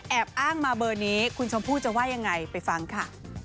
อ้างมาเบอร์นี้คุณชมพู่จะว่ายังไงไปฟังค่ะ